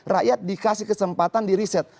rakyat dikasih kesempatan di riset